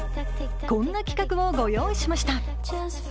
こんな企画をご用意しました！